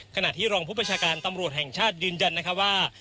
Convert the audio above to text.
ขณะที่รองผู้ประชาการตำรวจแห่งชาติยืนยันนะคะว่า